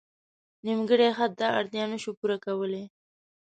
نیمګړی خط دا اړتیا نه شو پوره کولی.